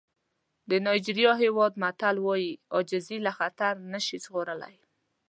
د نایجېریا هېواد متل وایي عاجزي له خطر نه شي ژغورلی.